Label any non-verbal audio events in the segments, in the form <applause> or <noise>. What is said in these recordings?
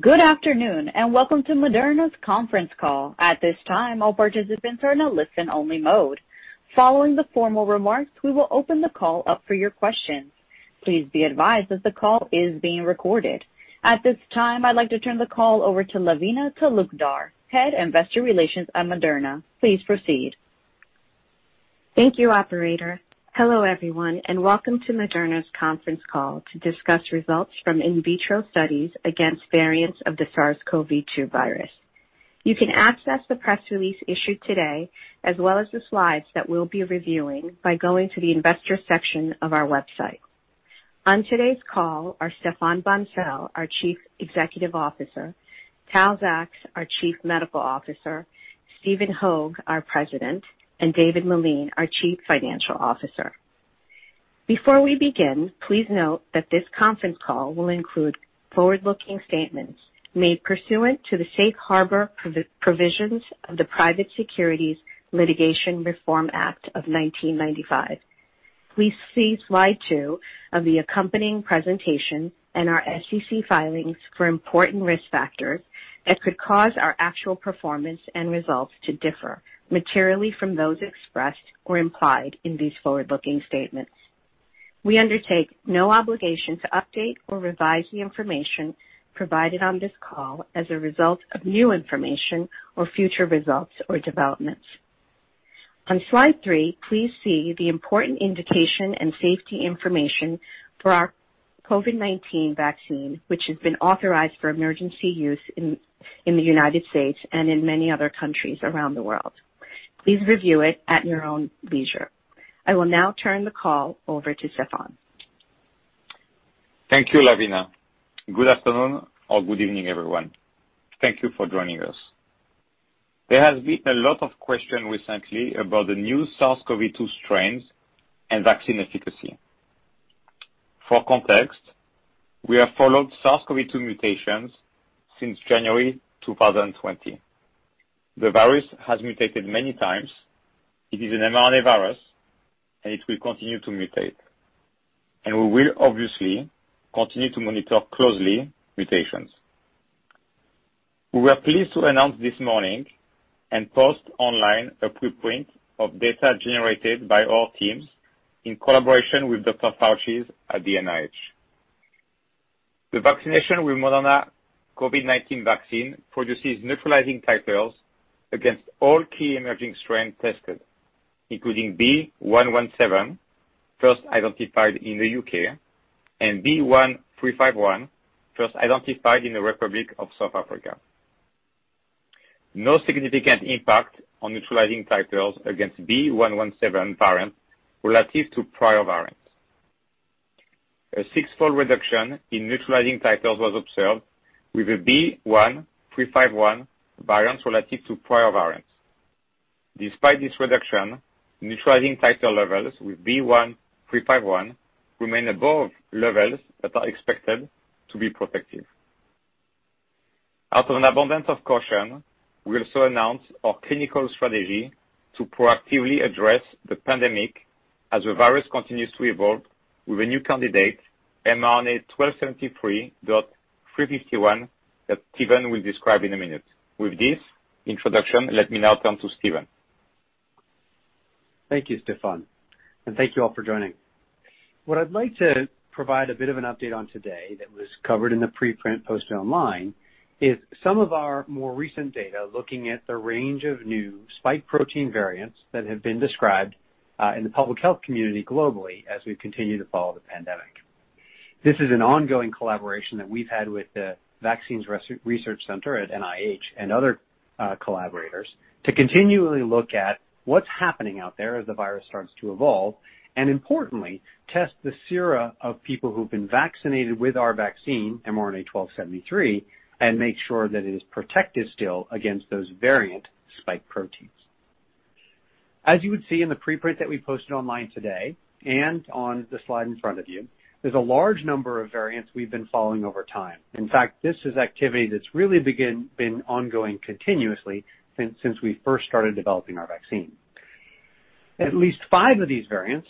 Good afternoon, and welcome to Moderna's Conference Call. At this time, all participants are in a listen-only mode. Following the formal remarks, we will open the call up for your questions. Please be advised that the call is being recorded. At this time, I'd like to turn the call over to Lavina Talukdar, Head Investor Relations at Moderna. Please proceed. Thank you, operator. Hello, everyone, and welcome to Moderna's conference call to discuss results from in vitro studies against variants of the SARS-CoV-2 virus. You can access the press release issued today, as well as the slides that we'll be reviewing, by going to the investor section of our website. On today's call are Stéphane Bancel, our Chief Executive Officer, Tal Zaks, our Chief Medical Officer, Stephen Hoge, our President, and David Meline, our Chief Financial Officer. Before we begin, please note that this conference call will include forward-looking statements made pursuant to the Safe Harbor Provisions of the Private Securities Litigation Reform Act of 1995. Please see slide two of the accompanying presentation and our SEC filings for important risk factors that could cause our actual performance and results to differ materially from those expressed or implied in these forward-looking statements. We undertake no obligation to update or revise the information provided on this call as a result of new information or future results or developments. On slide three, please see the important indication and safety information for our COVID-19 vaccine, which has been authorized for emergency use in the U.S. and in many other countries around the world. Please review it at your own leisure. I will now turn the call over to Stéphane. Thank you, Lavina. Good afternoon or good evening, everyone. Thank you for joining us. There has been a lot of question recently about the new SARS-CoV-2 strains and vaccine efficacy. For context, we have followed SARS-CoV-2 mutations since January 2020. The virus has mutated many times. It is an mRNA virus, and it will continue to mutate, and we will obviously continue to monitor closely mutations. We were pleased to announce this morning and post online a preprint of data generated by our teams in collaboration with Dr. Fauci's at the NIH. The vaccination with Moderna COVID-19 vaccine produces neutralizing titers against all key emerging strains tested, including B.1.1.7, first identified in the U.K., and B.1.351, first identified in the Republic of South Africa. No significant impact on neutralizing titers against B.1.1.7 variant relative to prior variants. A six-fold reduction in neutralizing titers was observed with the B.1.351 variant relative to prior variants. Despite this reduction, neutralizing titer levels with B.1.351 remain above levels that are expected to be protective. Out of an abundance of caution, we also announced our clinical strategy to proactively address the pandemic as the virus continues to evolve with a new candidate, mRNA-1273.351, that Stephen will describe in a minute. With this introduction, let me now turn to Stephen. Thank you, Stéphane, and thank you all for joining. What I'd like to provide a bit of an update on today that was covered in the preprint post online is some of our more recent data looking at the range of new spike protein variants that have been described in the public health community globally as we continue to follow the pandemic. This is an ongoing collaboration that we've had with the Vaccine Research Center at NIH and other collaborators to continually look at what's happening out there as the virus starts to evolve, and importantly, test the sera of people who've been vaccinated with our vaccine, mRNA-1273, and make sure that it is protective still against those variant spike proteins. As you would see in the preprint that we posted online today, and on the slide in front of you, there's a large number of variants we've been following over time. In fact, this is activity that's really been ongoing continuously since we first started developing our vaccine. At least five of these variants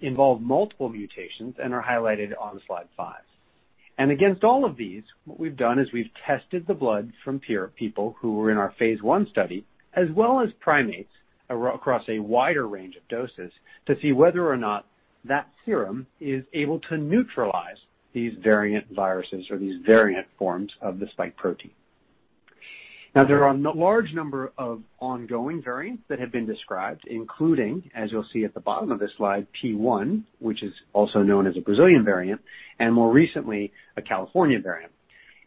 involve multiple mutations and are highlighted on slide five. Against all of these, what we've done is we've tested the blood from peer people who were in our phase I study, as well as primates across a wider range of doses to see whether or not that serum is able to neutralize these variant viruses or these variant forms of the spike protein. There are large number of ongoing variants that have been described, including, as you'll see at the bottom of this slide, P.1, which is also known as a Brazilian variant, and more recently, a California variant.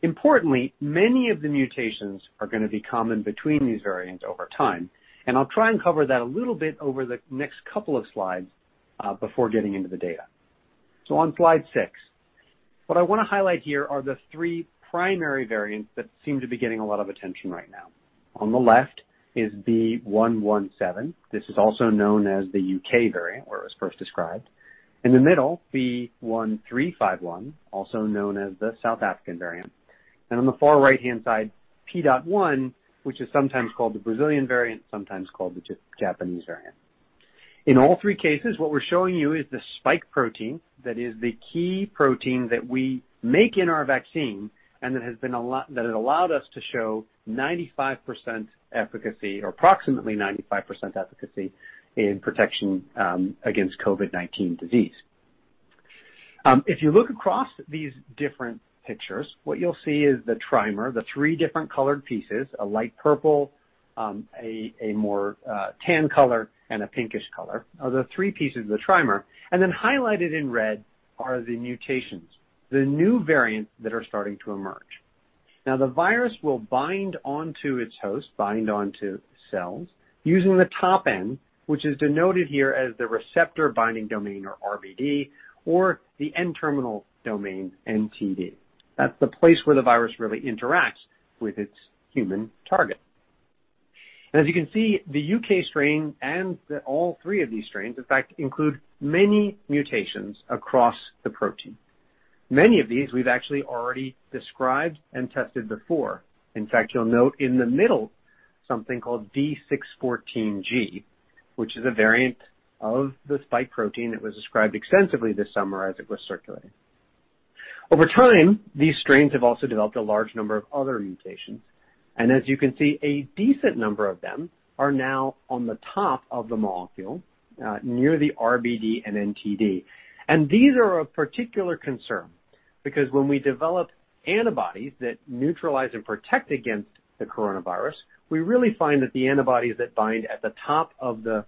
Importantly, many of the mutations are gonna be common between these variants over time, and I'll try and cover that a little bit over the next couple of slides before getting into the data. On slide six, what I wanna highlight here are the three primary variants that seem to be getting a lot of attention right now. On the left is B.1.1.7. This is also known as the U.K. variant, where it was first described. In the middle, B.1.351, also known as the South African variant. On the far right-hand side, P.1, which is sometimes called the Brazilian variant, sometimes called the Japanese variant. In all three cases, what we're showing you is the spike protein, that is the key protein that we make in our vaccine, and that it allowed us to show 95% efficacy, or approximately 95% efficacy, in protection against COVID-19 disease. If you look across these different pictures, what you'll see is the trimer, the three different colored pieces, a light purple, a more tan color, and a pinkish color, are the three pieces of the trimer. Then highlighted in red are the mutations, the new variants that are starting to emerge. Now the virus will bind onto its host, bind onto cells, using the top end, which is denoted here as the receptor binding domain, or RBD, or the N-terminal domain, NTD. That's the place where the virus really interacts with its human target. As you can see, the U.K. strain and all three of these strains, in fact, include many mutations across the protein. Many of these we've actually already described and tested before. In fact, you'll note in the middle something called D614G, which is a variant of the spike protein that was described extensively this summer as it was circulating. Over time, these strains have also developed a large number of other mutations, and as you can see, a decent number of them are now on the top of the molecule, near the RBD and NTD. These are of particular concern because when we develop antibodies that neutralize and protect against the coronavirus, we really find that the antibodies that bind at the top of the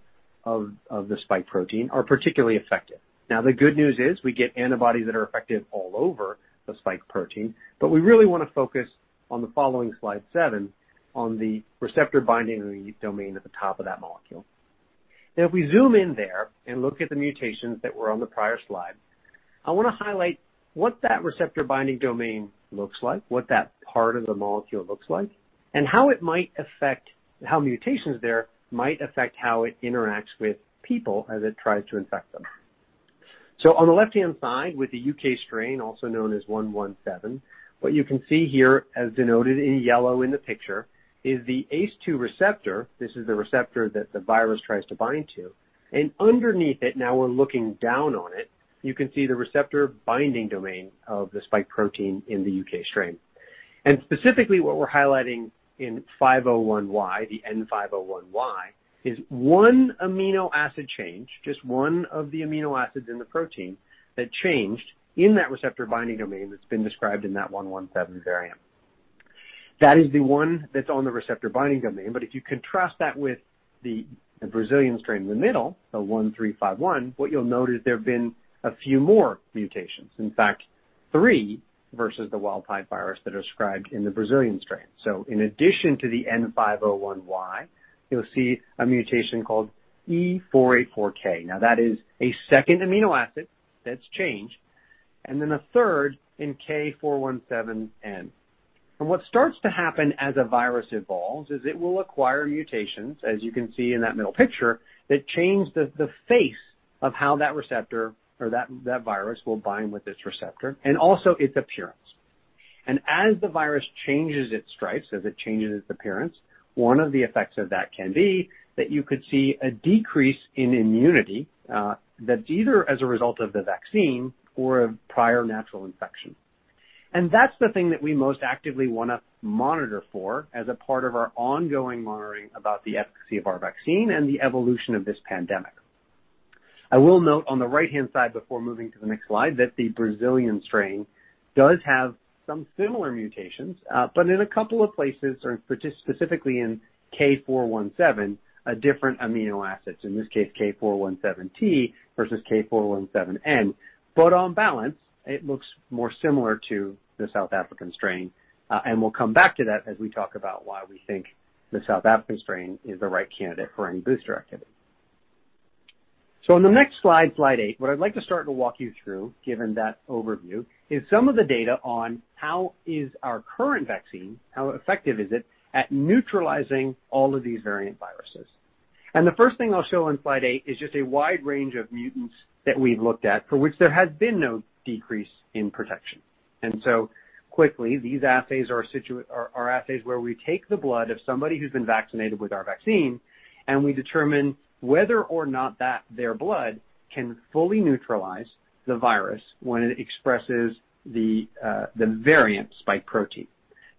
spike protein are particularly effective. The good news is we get antibodies that are effective all over the spike protein, but we really want to focus on the following slide seven, on the receptor binding domain at the top of that molecule. If we zoom in there and look at the mutations that were on the prior slide, I want to highlight what that receptor binding domain looks like, what that part of the molecule looks like, and how mutations there might affect how it interacts with people as it tries to infect them. On the left-hand side with the UK strain, also known as B.1.1.7, what you can see here as denoted in yellow in the picture is the ACE2 receptor. This is the receptor that the virus tries to bind to. Underneath it, now we're looking down on it, you can see the receptor binding domain of the spike protein in the U.K. strain. Specifically what we're highlighting N501Y, the N501Y, is one amino acid change, just one of the amino acids in the protein that changed in that receptor binding domain that's been described in that B.1.1.7 variant. That is the one that's on the receptor binding domain, but if you contrast that with the Brazilian strain in the middle, the B.1.351, what you'll note is there have been a few more mutations. In fact, three versus the wild type virus that are described in the Brazilian strain. In addition to the N501Y, you'll see a mutation called E484K. That is a second amino acid that's changed, and then a third in K417N. What starts to happen as a virus evolves is it will acquire mutations, as you can see in that middle picture, that change the face of how that receptor or that virus will bind with its receptor, and also its appearance. As the virus changes its stripes, as it changes its appearance, one of the effects of that can be that you could see a decrease in immunity, that's either as a result of the vaccine or a prior natural infection. That's the thing that we most actively want to monitor for as a part of our ongoing monitoring about the efficacy of our vaccine and the evolution of this pandemic. I will note on the right-hand side before moving to the next slide that the Brazilian strain does have some similar mutations, but in a couple of places, or specifically in K417, a different amino acid, so in this case K417T versus K417N, but on balance it looks more similar to the South African strain. We'll come back to that as we talk about why we think the South African strain is the right candidate for any booster activity. On the next slide eight, what I'd like to start to walk you through, given that overview, is some of the data on how is our current vaccine, how effective is it at neutralizing all of these variant viruses. The first thing I'll show on slide eight is just a wide range of mutants that we've looked at for which there has been no decrease in protection. Quickly, these assays are assays where we take the blood of somebody who's been vaccinated with our vaccine, and we determine whether or not their blood can fully neutralize the virus when it expresses the variant spike protein.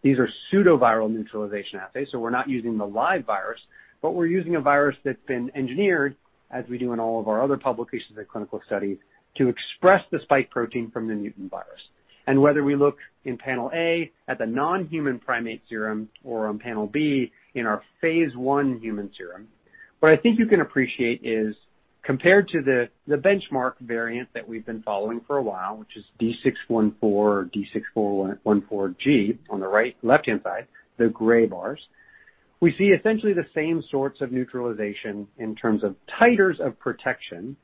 These are pseudovirus neutralization assays, so we're not using the live virus, but we're using a virus that's been engineered, as we do in all of our other publications and clinical studies, to express the spike protein from the mutant virus. Whether we look in panel A at the non-human primate serum, or on panel B in our phase I human serum, what I think you can appreciate is compared to the benchmark variant that we've been following for a while, which is D614 or D614G on the left-hand side, the gray bars, we see essentially the same sorts of neutralization in terms of titers of protection.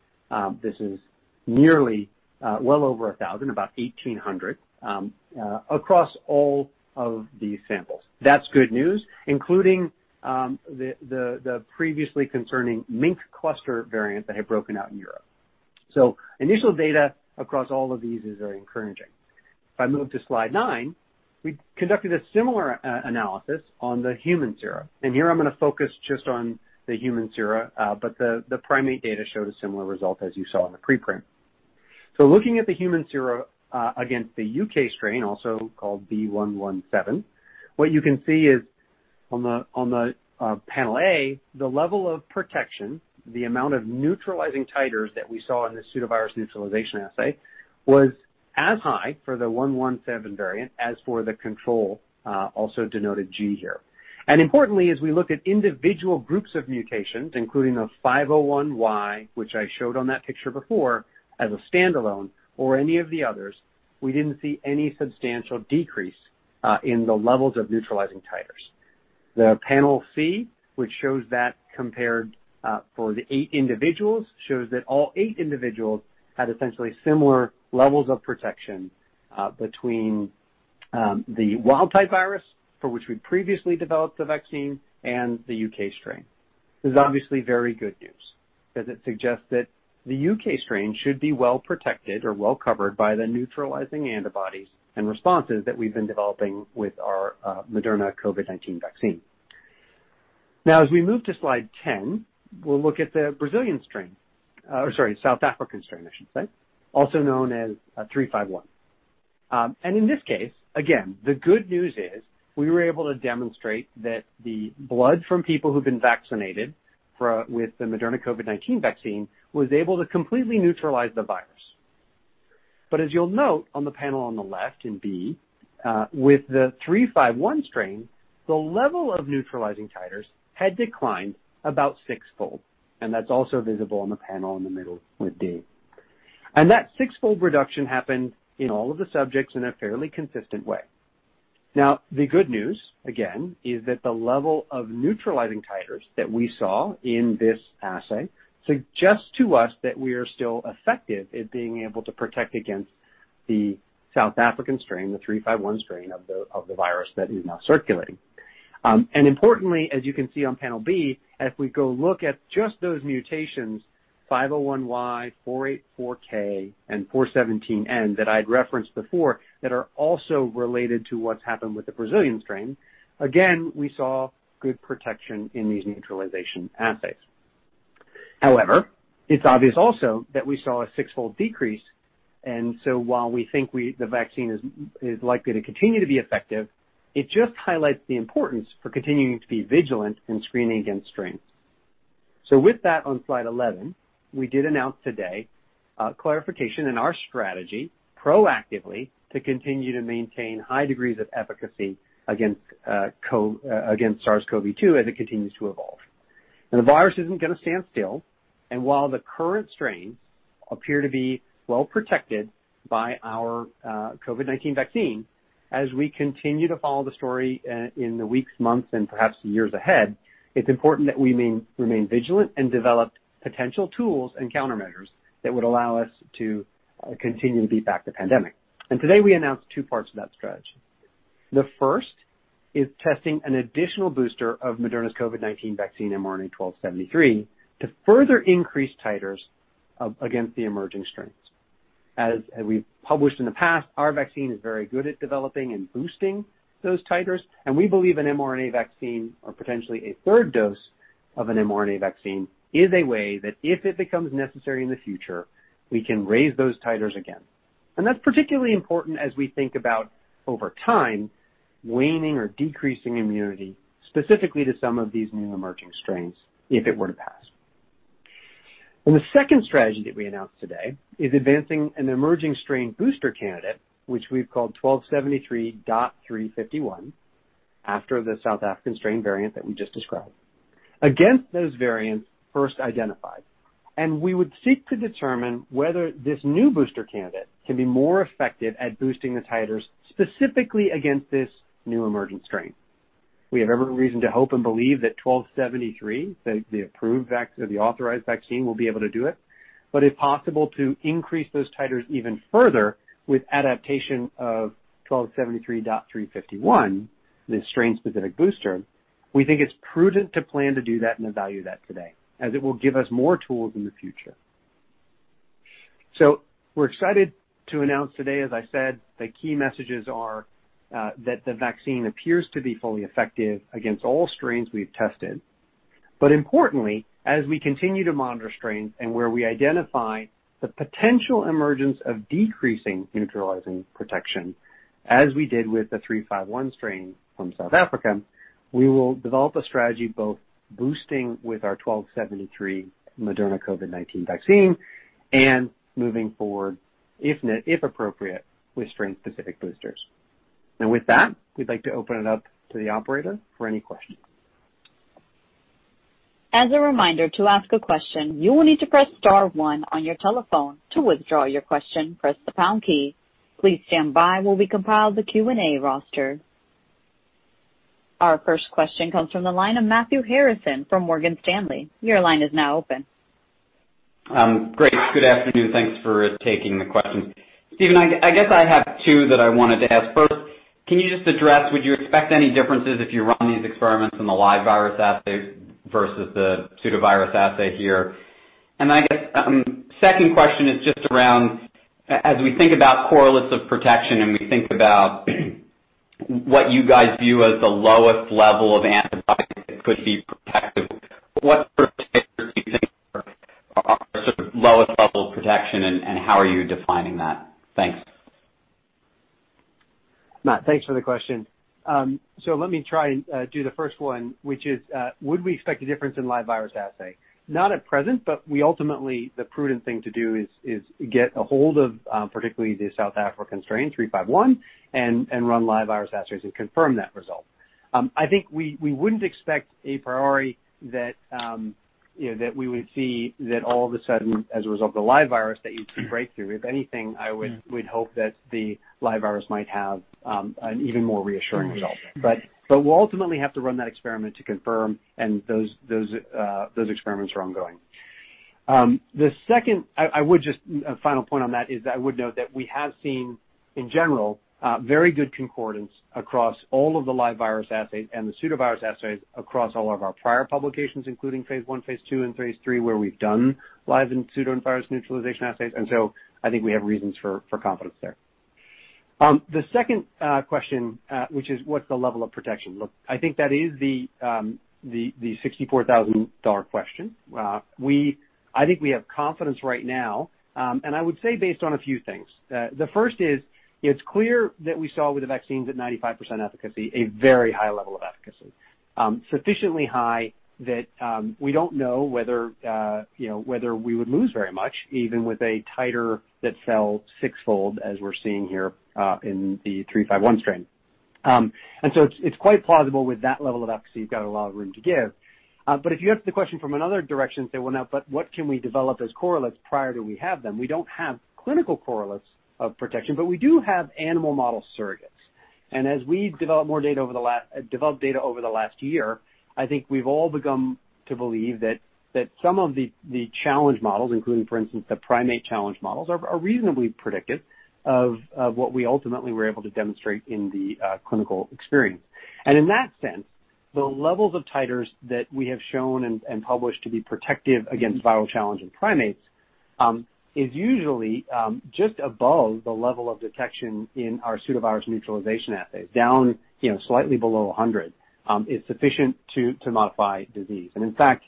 This is nearly well over 1,000, about 1,800, across all of these samples. That's good news, including the previously concerning mink cluster variant that had broken out in Europe. Initial data across all of these is very encouraging. If I move to slide nine, we conducted a similar analysis on the human sera. Here I'm going to focus just on the human sera, but the primate data showed a similar result as you saw in the preprint. Looking at the human sera against the U.K. strain, also called B.1.1.7, what you can see is on the panel A, the level of protection, the amount of neutralizing titers that we saw in this pseudovirus neutralization assay, was as high for the 1.1.7 variant as for the control, also denoted G here. Importantly, as we look at individual groups of mutations, including the N501Y, which I showed on that picture before, as a standalone or any of the others, we didn't see any substantial decrease in the levels of neutralizing titers. The panel C, which shows that compared for the eight individuals, shows that all eight individuals had essentially similar levels of protection between the wild type virus for which we previously developed the vaccine and the U.K. strain. This is obviously very good news, because it suggests that the U.K. strain should be well-protected or well-covered by the neutralizing antibodies and responses that we've been developing with our Moderna COVID-19 vaccine. As we move to slide 10, we'll look at the Brazilian strain. Sorry, South African strain, I should say, also known as B.1.351. In this case, again, the good news is we were able to demonstrate that the blood from people who've been vaccinated with the Moderna COVID-19 vaccine was able to completely neutralize the virus. As you'll note on the panel on the left in B, with the 3.5.1 strain, the level of neutralizing titers had declined about sixfold, and that's also visible on the panel in the middle with D. That sixfold reduction happened in all of the subjects in a fairly consistent way. Now, the good news, again, is that the level of neutralizing titers that we saw in this assay suggests to us that we are still effective at being able to protect against the South African strain, the 3.5.1 strain of the virus that is now circulating. Importantly, as you can see on panel B, as we go look at just those mutations, 501Y, 484K and 417N that I had referenced before that are also related to what's happened with the Brazilian strain, again, we saw good protection in these neutralization assays. However, it's obvious also that we saw a sixfold decrease, and so while we think the vaccine is likely to continue to be effective, it just highlights the importance for continuing to be vigilant in screening against strains. With that, on slide 11, we did announce today a clarification in our strategy proactively to continue to maintain high degrees of efficacy against SARS-CoV-2 as it continues to evolve. Now the virus isn't going to stand still, and while the current strains appear to be well protected by our COVID-19 vaccine, as we continue to follow the story in the weeks, months, and perhaps the years ahead, it's important that we remain vigilant and develop potential tools and countermeasures that would allow us to continue to beat back the pandemic. Today we announced two parts of that strategy. The first is testing an additional booster of Moderna's COVID-19 vaccine, mRNA-1273, to further increase titers against the emerging strains. As we've published in the past, our vaccine is very good at developing and boosting those titers, and we believe an mRNA vaccine or potentially a third dose of an mRNA vaccine is a way that if it becomes necessary in the future, we can raise those titers again. That's particularly important as we think about over time, waning or decreasing immunity specifically to some of these new emerging strains if it were to pass. The second strategy that we announced today is advancing an emerging strain booster candidate, which we've called mRNA-1273.351, after the South African strain variant that we just described, against those variants first identified. We would seek to determine whether this new booster candidate can be more effective at boosting the titers specifically against this new emergent strain. We have every reason to hope and believe that mRNA-1273, the authorized vaccine, will be able to do it, but if possible, to increase those titers even further with adaptation of mRNA-1273.351, the strain-specific booster, we think it's prudent to plan to do that and evaluate that today, as it will give us more tools in the future. We're excited to announce today, as I said, the key messages are that the vaccine appears to be fully effective against all strains we've tested. Importantly, as we continue to monitor strains and where we identify the potential emergence of decreasing neutralizing protection, as we did with the B.1.351 strain from South Africa, we will develop a strategy both boosting with our 1273 Moderna COVID-19 vaccine and moving forward, if appropriate, with strain-specific boosters. With that, we'd like to open it up to the operator for any questions. As a reminder, to ask a question, you will need to press star one on your telephone. To withdraw your question, press the pound key. Please stand by while we compile the Q&A roster. Our first question comes from the line of Matthew Harrison from Morgan Stanley. Your line is now open. Great. Good afternoon. Thanks for taking the questions. Stephen, I guess I have two that I wanted to ask. First, can you just address, would you expect any differences if you run these experiments in the live virus assay versus the pseudovirus assay here? I guess, second question is just around, as we think about correlates of protection, and we think about what you guys view as the lowest level of antibody that could be protective. <audio distortion> Matthew, thanks for the question. Let me try and do the first one, which is would we expect a difference in live virus assay? Not at present, ultimately the prudent thing to do is get a hold of particularly the South African strain B.1.351, and run live virus assays and confirm that result. I think we wouldn't expect a priori that we would see that all of a sudden, as a result of the live virus, that you'd see breakthrough. If anything, I would hope that the live virus might have an even more reassuring result. We'll ultimately have to run that experiment to confirm, and those experiments are ongoing. The second, I would just, final point on that is that I would note that we have seen, in general, very good concordance across all of the live virus assays and the pseudovirus assays across all of our prior publications, including phase I, phase II, and phase III, where we've done live and pseudovirus neutralization assays. I think we have reasons for confidence there. The second question, which is what's the level of protection? Look, I think that is the $64,000 question. I think we have confidence right now. I would say based on a few things. The first is it's clear that we saw with the vaccines at 95% efficacy, a very high level of efficacy. Sufficiently high that we don't know whether we would lose very much, even with a titer that fell sixfold as we're seeing here in the B.1.351 strain. It's quite plausible with that level of efficacy, you've got a lot of room to give. If you ask the question from another direction and say, "Well, now what can we develop as correlates prior to we have them?" We don't have clinical correlates of protection. We do have animal model surrogates. As we develop data over the last year, I think we've all begun to believe that some of the challenge models, including, for instance, the primate challenge models, are reasonably predictive of what we ultimately were able to demonstrate in the clinical experience. In that sense, the levels of titers that we have shown and published to be protective against viral challenge in primates is usually just above the level of detection in our pseudovirus neutralization assay. Down slightly below 100 is sufficient to modify disease. In fact,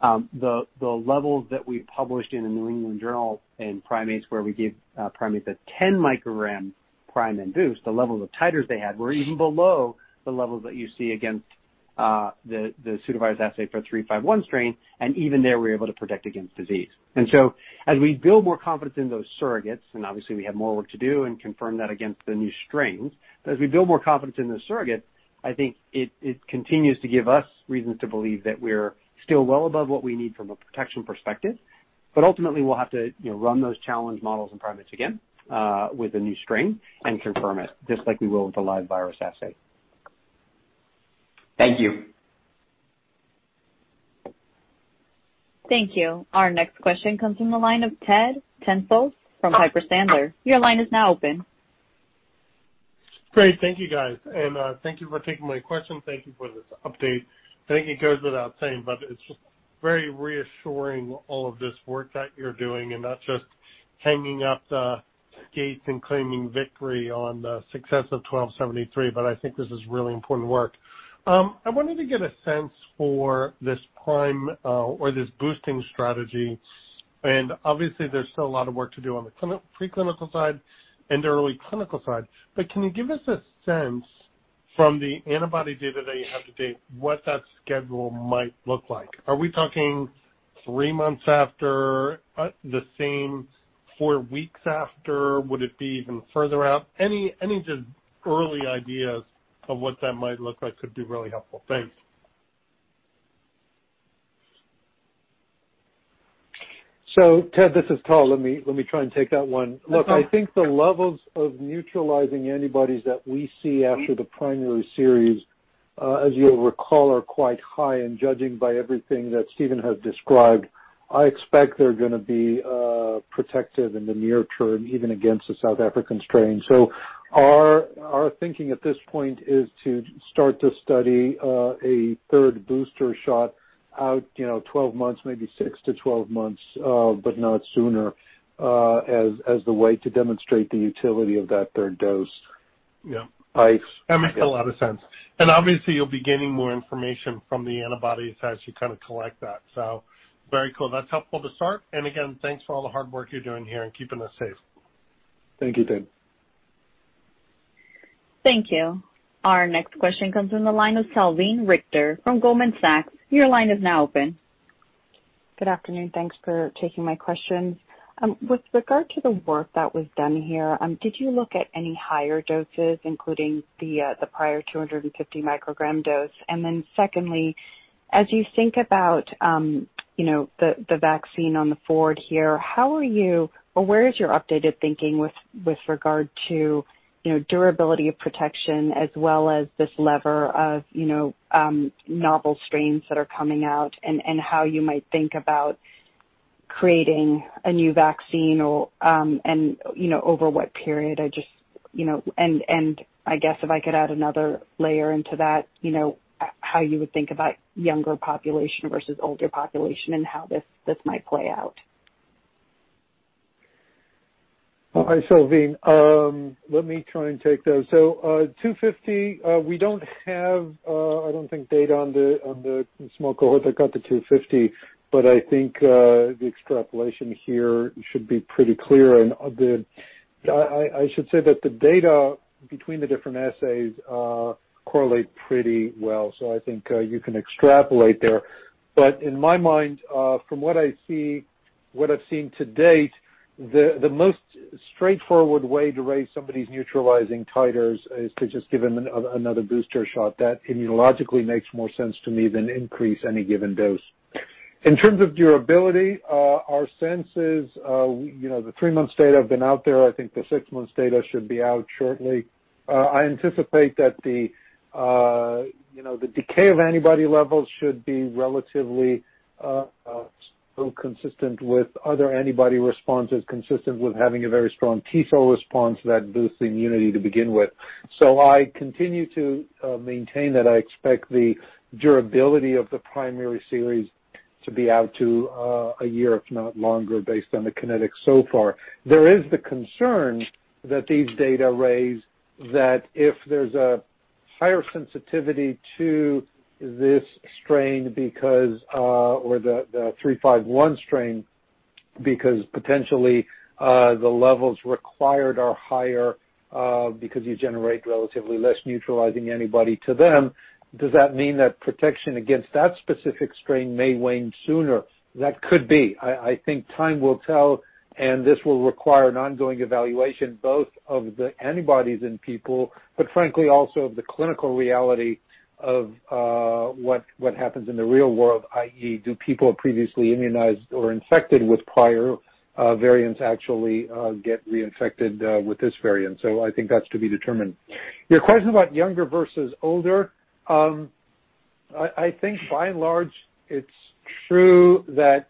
the levels that we published in the New England Journal in primates where we gave primates a 10 microgram prime and boost, the levels of titers they had were even below the levels that you see against the pseudovirus assay for B.1.351 strain, and even there we were able to protect against disease. As we build more confidence in those surrogates, and obviously we have more work to do and confirm that against the new strains, but as we build more confidence in those surrogates, I think it continues to give us reason to believe that we're still well above what we need from a protection perspective. Ultimately, we'll have to run those challenge models in primates again with the new strain and confirm it, just like we will with the live virus assay. Thank you. Thank you. Our next question comes from the line of Ted Tenthoff from Piper Sandler. Your line is now open. Great. Thank you, guys, and thank you for taking my question. Thank you for this update. I think it goes without saying, but it's just very reassuring all of this work that you're doing and not just hanging up the gates and claiming victory on the success of mRNA-1273, but I think this is really important work. I wanted to get a sense for this prime or this boosting strategy, and obviously there's still a lot of work to do on the preclinical side and the early clinical side. Can you give us a sense from the antibody data that you have to date what that schedule might look like? Are we talking three months after, the same four weeks after? Would it be even further out? Any just early ideas of what that might look like would be really helpful. Thanks. Ted, this is Tal. Let me try and take that one. Look, I think the levels of neutralizing antibodies that we see after the primary series, as you'll recall, are quite high, and judging by everything that Stephen has described, I expect they're gonna be protective in the near term, even against the South African strain. Our thinking at this point is to start to study a third booster shot out 12 months, maybe 6-12 months, but not sooner, as the way to demonstrate the utility of that third dose. Yeah. That makes a lot of sense. Obviously you'll be getting more information from the antibody as you kind of collect that. Very cool. That's helpful to start. Again, thanks for all the hard work you're doing here in keeping us safe. Thank you, Ted. Thank you. Our next question comes from the line of Salveen Richter from Goldman Sachs. Good afternoon. Thanks for taking my questions. With regard to the work that was done here, did you look at any higher doses, including the prior 250 microgram dose? Secondly, as you think about the vaccine on the forward here, how are you or where is your updated thinking with regard to durability of protection as well as this lever of novel strains that are coming out and how you might think about creating a new vaccine, and over what period? I guess if I could add another layer into that, how you would think about younger population versus older population, and how this might play out? Hi, Salveen. Let me try and take those. 250, we don't have, I don't think, data on the small cohort that got the 250, but I think the extrapolation here should be pretty clear. I should say that the data between the different assays correlate pretty well. I think you can extrapolate there. In my mind, from what I've seen to date, the most straightforward way to raise somebody's neutralizing titers is to just give them another booster shot. That immunologically makes more sense to me than increase any given dose. In terms of durability, our sense is, the three months data have been out there. I think the six months data should be out shortly. I anticipate that the decay of antibody levels should be relatively consistent with other antibody responses, consistent with having a very strong T cell response that boosts immunity to begin with. I continue to maintain that I expect the durability of the primary series to be out to one year, if not longer, based on the kinetics so far. There is the concern that these data raise that if there's a higher sensitivity to this strain or the B.1.351 strain, because potentially the levels required are higher because you generate relatively less neutralizing antibody to them, does that mean that protection against that specific strain may wane sooner? That could be. I think time will tell, and this will require an ongoing evaluation, both of the antibodies in people, but frankly also of the clinical reality of what happens in the real world, i.e., do people previously immunized or infected with prior variants actually get reinfected with this variant? I think that's to be determined. Your question about younger versus older. I think by and large, it's true that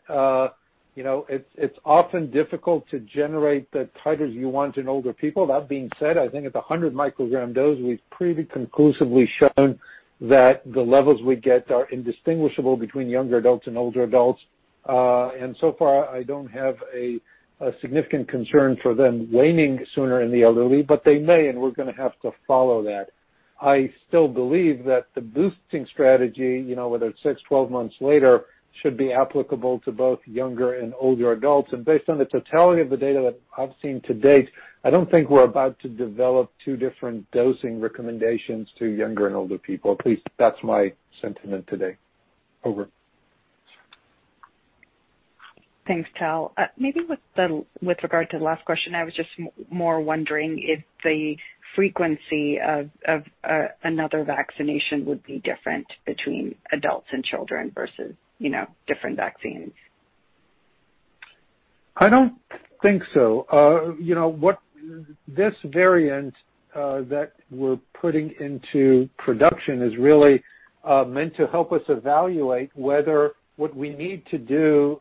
it's often difficult to generate the titers you want in older people. That being said, I think at the 100 microgram dose, we've pretty conclusively shown that the levels we get are indistinguishable between younger adults and older adults. So far, I don't have a significant concern for them waning sooner in the elderly, but they may, and we're going to have to follow that. I still believe that the boosting strategy, whether it's six, 12 months later, should be applicable to both younger and older adults. Based on the totality of the data that I've seen to date, I don't think we're about to develop two different dosing recommendations to younger and older people. At least that's my sentiment today. Over. Thanks, Tal. Maybe with regard to the last question, I was just more wondering if the frequency of another vaccination would be different between adults and children versus different vaccines. I don't think so. This variant that we're putting into production is really meant to help us evaluate whether what we need to do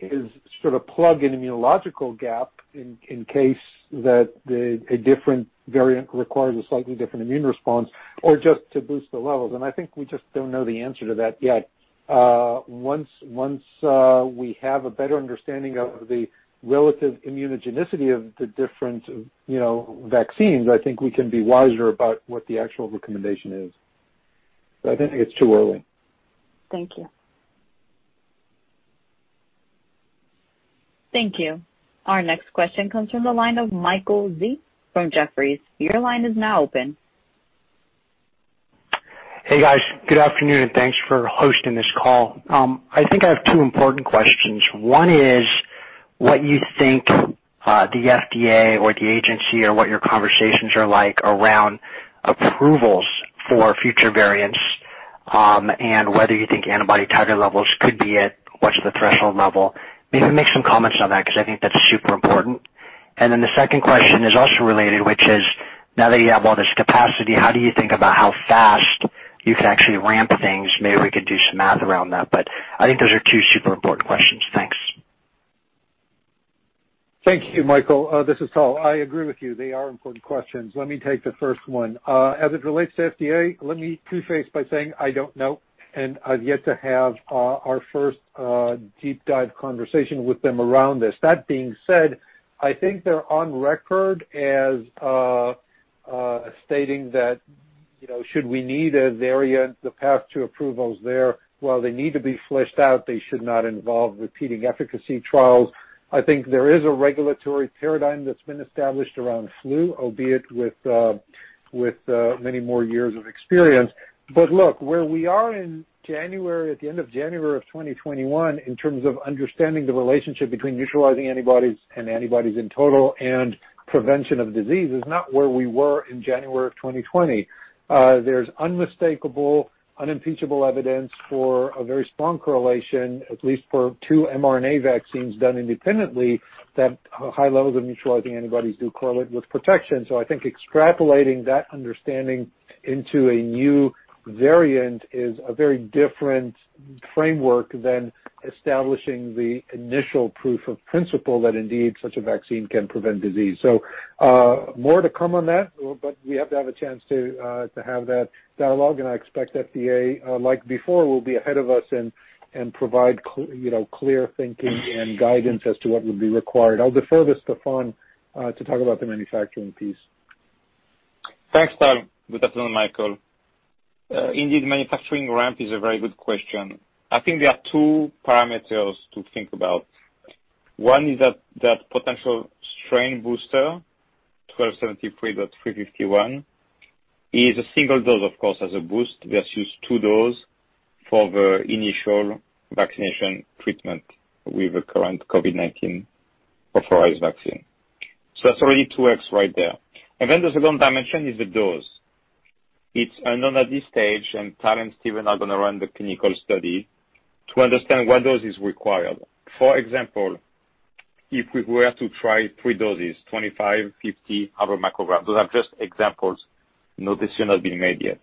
is sort of plug an immunological gap in case that a different variant requires a slightly different immune response or just to boost the levels. I think we just don't know the answer to that yet. Once we have a better understanding of the relative immunogenicity of the different vaccines, I think we can be wiser about what the actual recommendation is. I think it's too early. Thank you. Thank you. Our next question comes from the line of Michael Yee from Jefferies. Your line is now open. Hey, guys. Good afternoon, and thanks for hosting this call. I think I have two important questions. One is what you think the FDA or the agency or what your conversations are like around approvals for future variants, and whether you think antibody titer levels could be at, what's the threshold level? Maybe make some comments on that, because I think that's super important. The second question is also related, which is, now that you have all this capacity, how do you think about how fast you could actually ramp things? Maybe we could do some math around that, but I think those are two super important questions. Thanks. Thank you, Michael. This is Tal. I agree with you. They are important questions. Let me take the first one. As it relates to FDA, let me preface by saying I don't know, I've yet to have our first deep dive conversation with them around this. That being said, I think they're on record as stating that should we need a variant, the path to approval is there. While they need to be fleshed out, they should not involve repeating efficacy trials. I think there is a regulatory paradigm that's been established around flu, albeit with many more years of experience. Look, where we are at the end of January of 2021 in terms of understanding the relationship between neutralizing antibodies and antibodies in total and prevention of disease is not where we were in January of 2020. There's unmistakable, unimpeachable evidence for a very strong correlation, at least for two mRNA vaccines done independently, that high levels of neutralizing antibodies do correlate with protection. I think extrapolating that understanding into a new variant is a very different framework than establishing the initial proof of principle that indeed such a vaccine can prevent disease. More to come on that, but we have to have a chance to have that dialogue, and I expect FDA, like before, will be ahead of us and provide clear thinking and guidance as to what would be required. I'll defer to Stéphane to talk about the manufacturing piece. Thanks, Tal. Good afternoon, Michael. Indeed, manufacturing ramp is a very good question. I think there are two parameters to think about. One is that potential strain booster, mRNA-1273.351, is a single dose, of course, as a boost versus 2 dose for the initial vaccination treatment with the current COVID-19 authorized vaccine. That's already 2X right there. The second dimension is the dose. It's unknown at this stage, Tal and Stephen are going to run the clinical study to understand what dose is required. For example, if we were to try three doses, 25, 50, 100 microgram. Those are just examples. No decision has been made yet.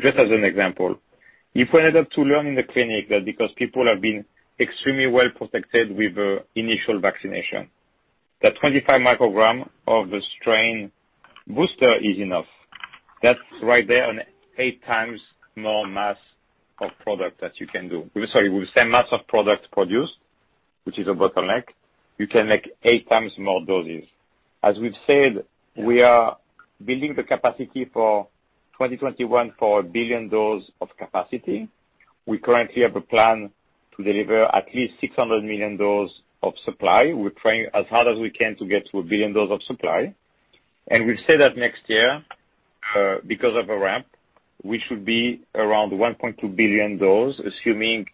Just as an example, if we ended up to learn in the clinic that because people have been extremely well-protected with the initial vaccination, that 25 micrograms of the strain booster is enough, that's right there an eight times more mass of product that you can do. Sorry, with the same mass of product produced, which is a bottleneck, you can make eight times more doses. As we've said, we are building the capacity for 2021 for 1 billion doses of capacity. We currently have a plan to deliver at least 600 million doses of supply. We're trying as hard as we can to get to 1 billion doses of supply. We've said that next year, because of a ramp, we should be around 1.2 billion doses, assuming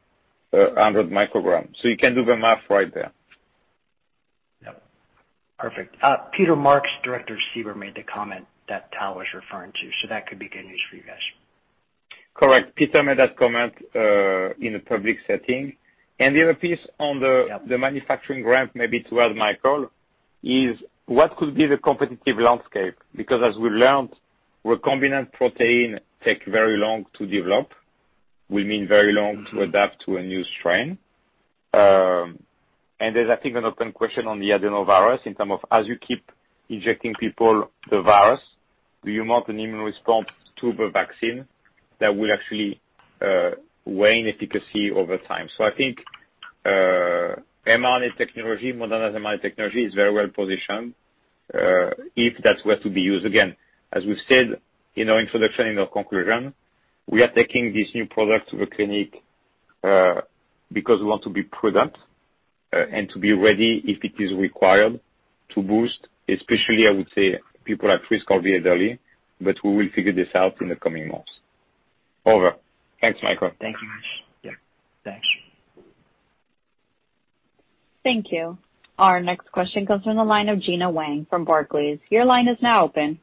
100 micrograms. You can do the math right there. Yep. Perfect. Peter Marks, Director CBER, made the comment that Tal was referring to. That could be good news for you guys. Correct. Peter made that comment in a public setting. Yep The manufacturing ramp, maybe to add, Michael, is what could be the competitive landscape? As we learned, recombinant protein take very long to develop. We mean very long to adapt to a new strain. There's, I think, an open question on the adenovirus in term of as you keep injecting people the virus, do you mount an immune response to the vaccine that will actually wane efficacy over time? I think mRNA technology, Moderna's mRNA technology, is very well-positioned if that were to be used again. As we've said in our introduction, in our conclusion, we are taking this new product to the clinic because we want to be prudent and to be ready if it is required to boost, especially I would say people at risk of the elderly, but we will figure this out in the coming months. Over. Thanks, Michael. Thank you much. Yeah. Thanks. Thank you. Our next question comes from the line of Gena Wang from Barclays. Your line is now open.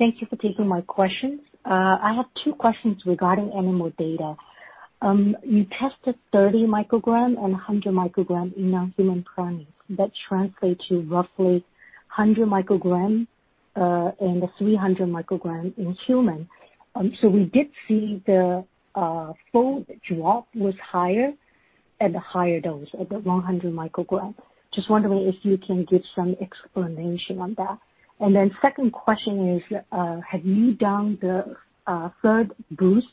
Thank you for taking my questions. I have two questions regarding animal data. You tested 30 microgram and 100 microgram in non-human primates. That translates to roughly 100 microgram and 300 microgram in human. We did see the fold drop was higher at the higher dose, at the 100 microgram. Just wondering if you can give some explanation on that. Second question is, have you done the third boost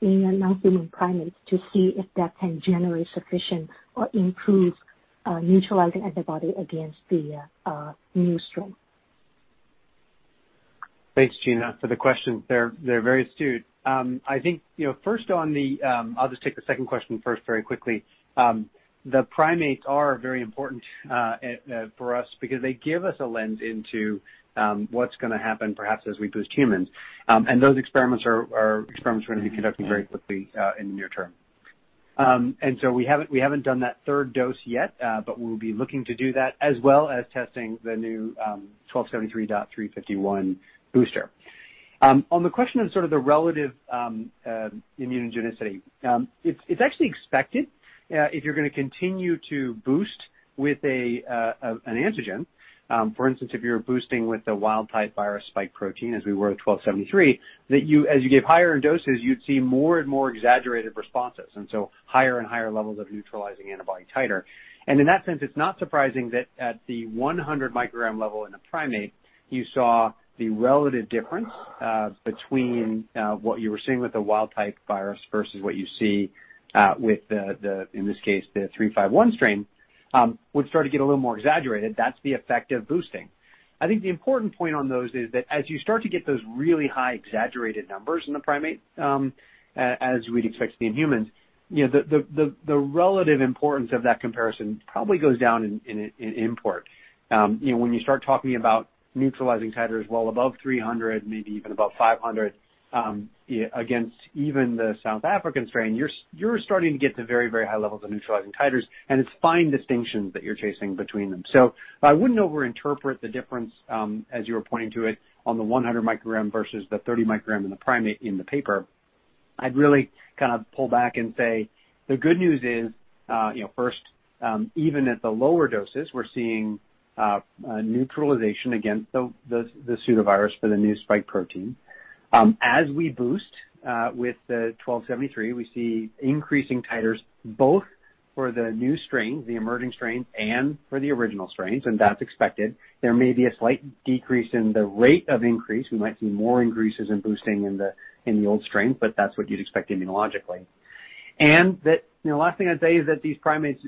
in non-human primates to see if that can generate sufficient or improve neutralizing antibody against the new strain? Thanks, Gena, for the questions. They're very astute. I'll just take the second question first very quickly. The primates are very important for us because they give us a lens into what's going to happen perhaps as we boost humans. Those experiments are experiments we're going to be conducting very quickly in the near term. We haven't done that third dose yet, but we'll be looking to do that, as well as testing the new mRNA-1273.351 booster. On the question of sort of the relative immunogenicity, it's actually expected if you're going to continue to boost with an antigen, for instance, if you're boosting with the wild type virus spike protein as we were with mRNA-1273, that as you give higher in doses, you'd see more and more exaggerated responses, and so higher and higher levels of neutralizing antibody titer. In that sense, it's not surprising that at the 100 microgram level in a primate, you saw the relative difference between what you were seeing with the wild-type virus versus what you see with the, in this case, the B.1.351 strain, would start to get a little more exaggerated. That's the effect of boosting. I think the important point on those is that as you start to get those really high exaggerated numbers in the primate, as we'd expect to be in humans, the relative importance of that comparison probably goes down in import. When you start talking about neutralizing titers well above 300, maybe even above 500, against even the South African strain, you're starting to get to very, very high levels of neutralizing titers, and it's fine distinctions that you're chasing between them. I wouldn't over-interpret the difference as you were pointing to it on the 100 microgram versus the 30 microgram in the primate in the paper. The good news is, first, even at the lower doses, we're seeing neutralization against the pseudovirus for the new spike protein. As we boost with the 1273, we see increasing titers both for the new strain, the emerging strain, and for the original strains. That's expected. There may be a slight decrease in the rate of increase. We might see more increases in boosting in the old strain. That's what you'd expect immunologically. The last thing I'd say is that these primates,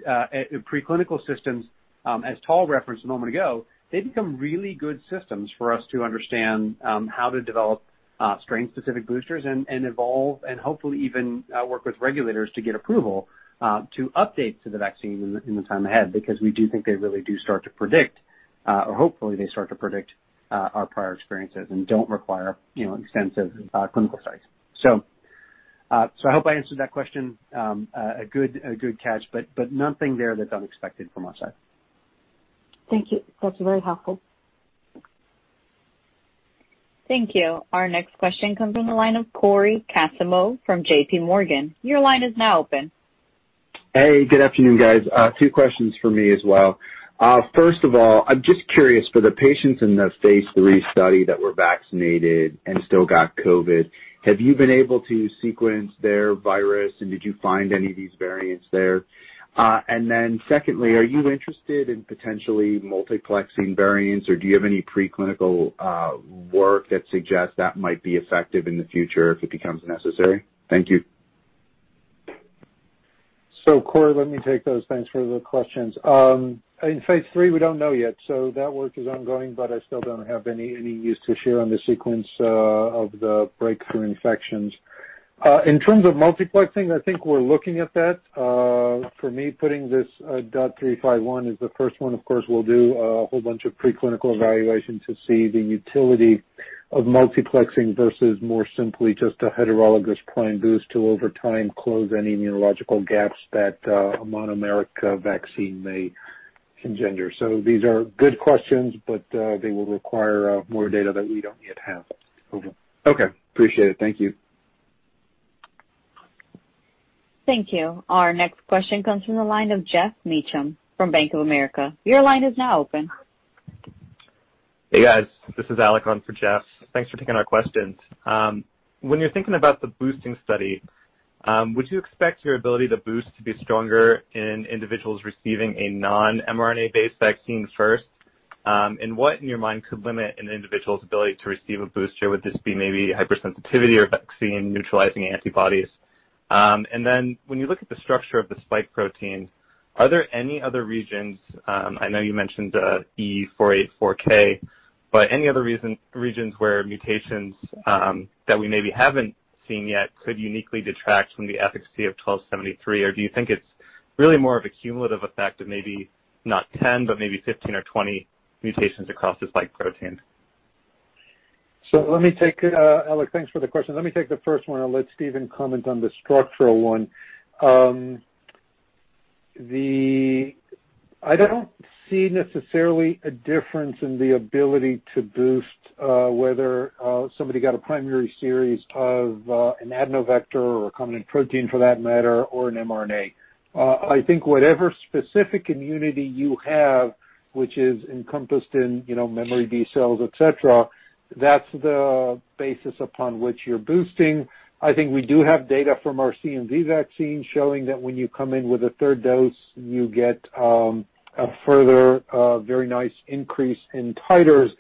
pre-clinical systems, as Tal referenced a moment ago, they become really good systems for us to understand how to develop strain-specific boosters and evolve and hopefully even work with regulators to get approval to update to the vaccine in the time ahead, because we do think they really do start to predict, or hopefully they start to predict our prior experiences and don't require extensive clinical studies. I hope I answered that question. A good catch but nothing there that's unexpected from our side. Thank you. That's very helpful. Thank you. Our next question comes from the line of Cory Kasimov from JPMorgan. Hey, good afternoon, guys. Two questions from me as well. First of all, I'm just curious, for the patients in the phase III study that were vaccinated and still got COVID, have you been able to sequence their virus, and did you find any of these variants there? Secondly, are you interested in potentially multiplexing variants, or do you have any pre-clinical work that suggests that might be effective in the future if it becomes necessary? Thank you. Cory, let me take those. Thanks for the questions. In phase III, we don't know yet. That work is ongoing, but I still don't have any news to share on the sequence of the breakthrough infections. In terms of multiplexing, I think we're looking at that. For me, putting this B.1.351 is the first one. Of course, we'll do a whole bunch of pre-clinical evaluations to see the utility of multiplexing versus more simply just a heterologous prime boost to, over time, close any immunological gaps that a monomeric vaccine may engender. These are good questions, but they will require more data that we don't yet have. Over. Okay, appreciate it. Thank you. Thank you. Our next question comes from the line of Geoff Meacham from Bank of America. Your line is now open. Hey, guys. This is Alec on for Geoff. Thanks for taking our questions. When you're thinking about the boosting study, would you expect your ability to boost to be stronger in individuals receiving a non-mRNA based vaccine first? What, in your mind, could limit an individual's ability to receive a booster? Would this be maybe hypersensitivity or vaccine-neutralizing antibodies? When you look at the structure of the spike protein, are there any other regions, I know you mentioned E484K, but any other regions where mutations that we maybe haven't seen yet could uniquely detract from the efficacy of mRNA-1273? Or do you think it's really more of a cumulative effect of maybe not 10, but maybe 15 or 20 mutations across the spike protein? Let me take it. Alec, thanks for the question. Let me take the first one. I'll let Stephen comment on the structural one. I don't see necessarily a difference in the ability to boost whether somebody got a primary series of an adenovector or a recombinant protein for that matter, or an mRNA. I think whatever specific immunity you have, which is encompassed in memory B cells, et cetera, that's the basis upon which you're boosting. I think we do have data from our CMV vaccine showing that when you come in with a third dose, you get a further very nice increase in titers.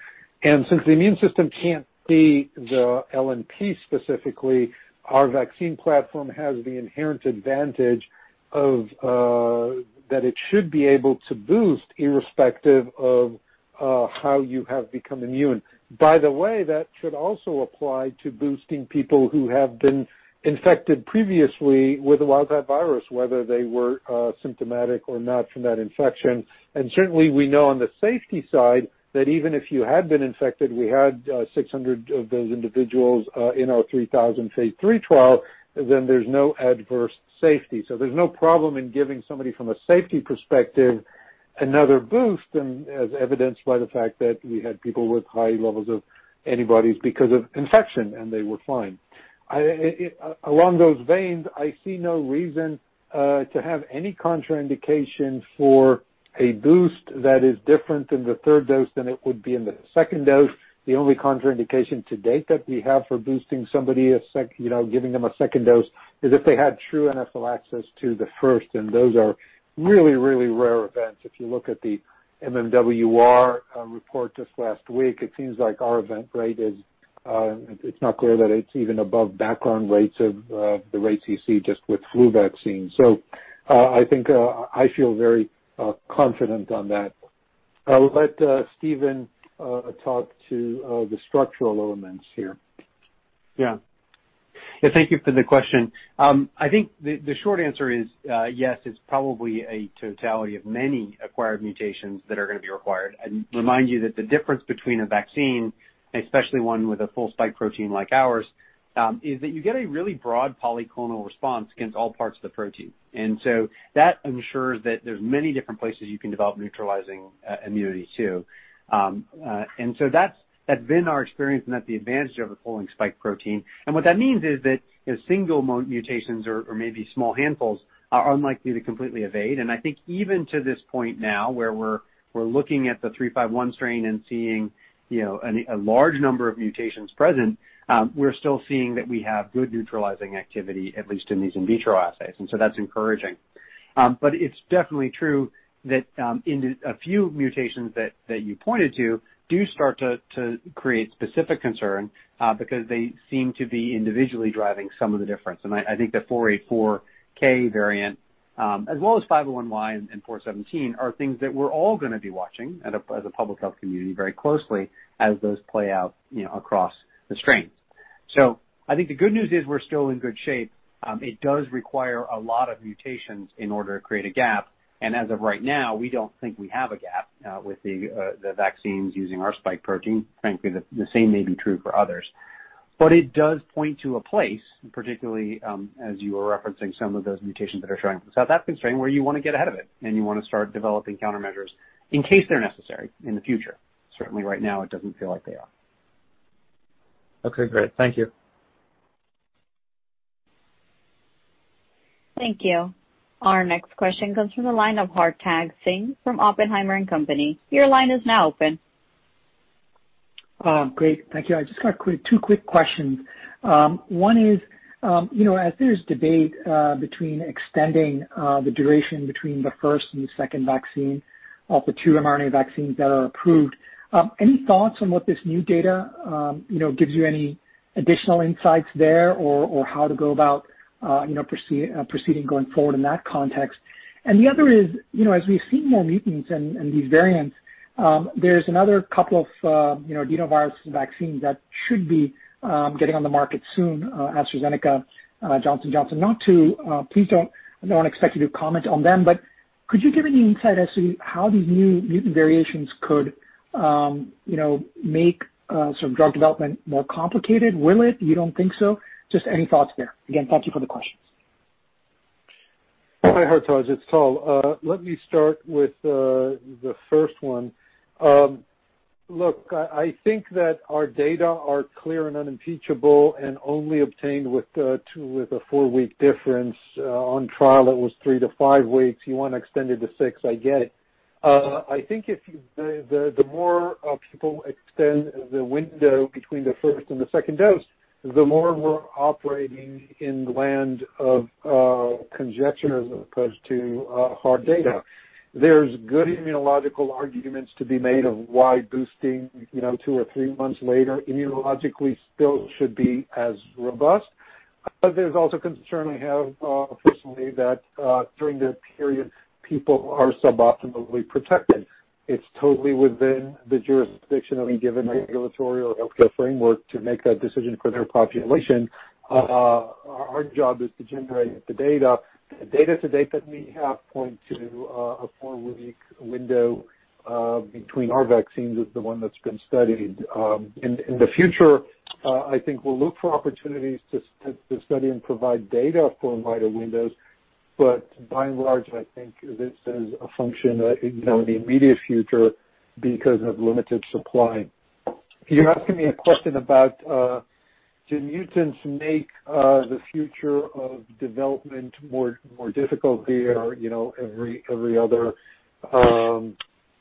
Since the immune system can't see the LNP specifically, our vaccine platform has the inherent advantage that it should be able to boost irrespective of how you have become immune. By the way, that should also apply to boosting people who have been infected previously with a wild-type virus, whether they were symptomatic or not from that infection. Certainly, we know on the safety side that even if you had been infected, we had 600 of those individuals in our 3,000 phase III trial, then there's no adverse safety. There's no problem in giving somebody from a safety perspective another boost, and as evidenced by the fact that we had people with high levels of antibodies because of infection, and they were fine. Along those veins, I see no reason to have any contraindication for a boost that is different in the third dose than it would be in the second dose. The only contraindication to date that we have for boosting somebody, giving them a second dose, is if they had true anaphylaxis to the first, and those are really, really rare events. If you look at the MMWR report just last week, it seems like our event rate is not clear that it's even above background rates of the rates you see just with flu vaccines. I think I feel very confident on that. I'll let Stephen talk to the structural elements here. Yeah Yeah, thank you for the question. I think the short answer is yes, it's probably a totality of many acquired mutations that are going to be required. I remind you that the difference between a vaccine, especially one with a full spike protein like ours, is that you get a really broad polyclonal response against all parts of the protein. That ensures that there's many different places you can develop neutralizing immunity too. That's been our experience, and that's the advantage of the full-length spike protein. What that means is that single mutations or maybe small handfuls are unlikely to completely evade. I think even to this point now where we're looking at the B.1.351 strain and seeing a large number of mutations present, we're still seeing that we have good neutralizing activity, at least in these in vitro assays. That's encouraging. It's definitely true that in a few mutations that you pointed to do start to create specific concern because they seem to be individually driving some of the difference. I think the E484K variant, as well as N501Y and 417, are things that we're all going to be watching as a public health community very closely as those play out across the strains. I think the good news is we're still in good shape. It does require a lot of mutations in order to create a gap. As of right now, we don't think we have a gap with the vaccines using our spike protein. Frankly, the same may be true for others. It does point to a place, particularly as you were referencing some of those mutations that are showing up in the South African strain, where you want to get ahead of it, and you want to start developing countermeasures in case they're necessary in the future. Certainly right now it doesn't feel like they are. Okay, great. Thank you. Thank you. Our next question comes from the line of Hartaj Singh from Oppenheimer and Company. Your line is now open. Great. Thank you. I just got two quick questions. One is as there's debate between extending the duration between the first and the second vaccine of the two mRNA vaccines that are approved, any thoughts on what this new data gives you any additional insights there or how to go about proceeding going forward in that context? The other is, as we've seen more mutants and these variants, there's another couple of adenovirus vaccines that should be getting on the market soon, AstraZeneca, Johnson & Johnson. I don't expect you to comment on them, but could you give any insight as to how these new mutant variations could make sort of drug development more complicated? Will it? You don't think so? Just any thoughts there. Thank you for the questions. Hi, Hartaj, it's Tal. Let me start with the first one. Look, I think that our data are clear and unimpeachable and only obtained with a four-week difference. On trial, it was three to five weeks. You want to extend it to six, I get it. I think the more people extend the window between the first and the second dose, the more we're operating in the land of conjectures as opposed to hard data. There's good immunological arguments to be made of why boosting two or three months later immunologically still should be as robust. There's also a concern I have personally that during that period, people are sub-optimally protected. It's totally within the jurisdiction of any given regulatory or healthcare framework to make that decision for their population. Our job is to generate the data. The data to date that we have point to a four-week window between our vaccines is the one that's been studied. In the future, I think we'll look for opportunities to study and provide data for wider windows. By and large, I think this is a function in the immediate future because of limited supply. You're asking me a question about do mutants make the future of development more difficult every other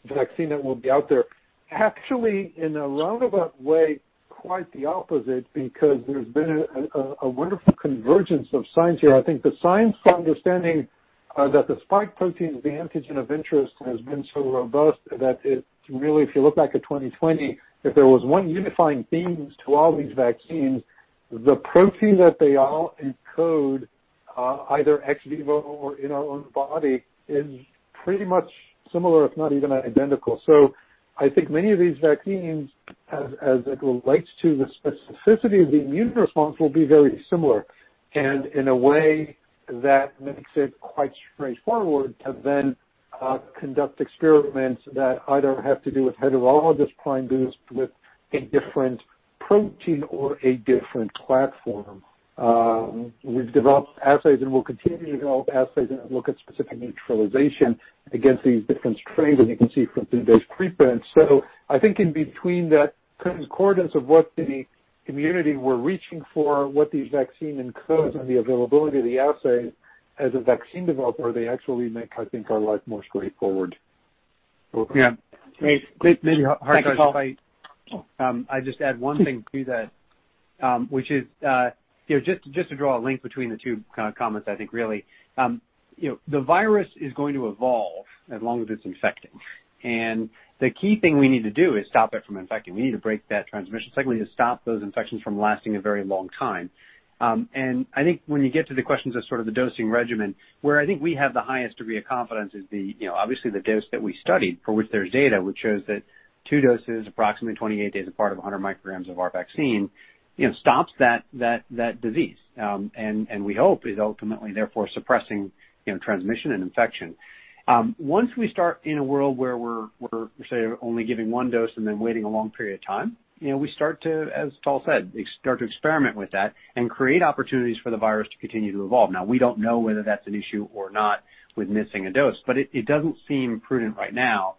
vaccine that will be out there. Actually, in a roundabout way, quite the opposite because there's been a wonderful convergence of science here. I think the science for understanding that the spike protein is the antigen of interest has been so robust that it really, if you look back at 2020, if there was one unifying theme to all these vaccines, the protein that they all encode, either ex vivo or in our own body is pretty much similar, if not even identical. I think many of these vaccines, as it relates to the specificity of the immune response, will be very similar. In a way that makes it quite straightforward to then conduct experiments that either have to do with heterologous prime boost with a different protein or a different platform. We've developed assays, and we'll continue to develop assays and look at specific neutralization against these different strains, as you can see from today's preprint. I think in between that concordance of what the community we're reaching for, what these vaccine encodes, and the availability of the assay as a vaccine developer, they actually make, I think our life more straightforward. Yeah. Maybe, Hartaj. Thank you, Tal. If I just add one thing to that, which is just to draw a link between the two comments, I think really. The virus is going to evolve as long as it's infecting. The key thing we need to do is stop it from infecting. We need to break that transmission cycle. We need to stop those infections from lasting a very long time. I think when you get to the questions of sort of the dosing regimen, where I think we have the highest degree of confidence is obviously the dose that we studied for which there's data which shows that two doses approximately 28 days apart of 100 micrograms of our vaccine stops that disease. We hope is ultimately therefore suppressing transmission and infection. Once we start in a world where we're say only giving one dose and then waiting a long period of time, we start to, as Tal said, start to experiment with that and create opportunities for the virus to continue to evolve. Now, we don't know whether that's an issue or not with missing a dose, but it doesn't seem prudent right now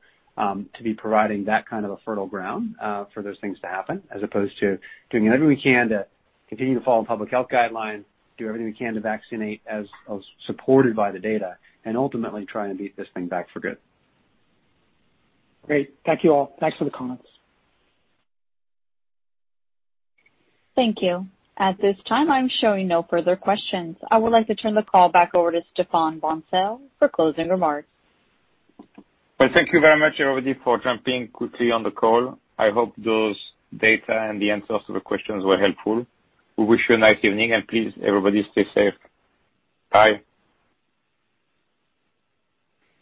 to be providing that kind of a fertile ground for those things to happen as opposed to doing everything we can to continue to follow public health guidelines, do everything we can to vaccinate as supported by the data, and ultimately try and beat this thing back for good. Great. Thank you all. Thanks for the comments. Thank you. At this time, I'm showing no further questions. I would like to turn the call back over to Stéphane Bancel for closing remarks. Well, thank you very much, everybody, for jumping quickly on the call. I hope those data and the answers to the questions were helpful. We wish you a nice evening, and please, everybody, stay safe. Bye.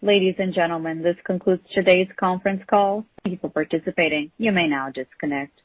Ladies and gentlemen, this concludes today's conference call. Thank you for participating. You may now disconnect.